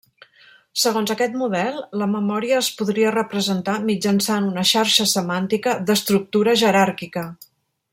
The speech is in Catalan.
Segons aquest model, la memòria es podria representar mitjançant una xarxa semàntica d'estructura jeràrquica.